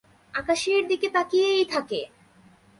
আকাশের দিকে তাকিয়েই থাকে!